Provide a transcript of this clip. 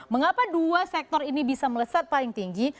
mengapa dua sektor ini bisa melesat paling tinggi